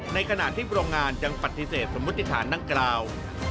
ในขณะที่โรงงานยังปฏิเสธสมทิษฐานด้านกราว